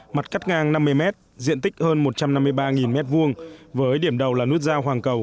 mặt cắt ngang năm mươi m diện tích hơn một trăm năm mươi ba m hai với điểm đầu là nút giao hoàng cầu